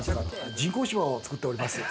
人工芝を作っておりますって。